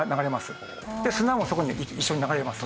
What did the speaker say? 砂もそこに一緒に流れます。